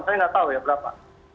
saya nggak tahu ya berapa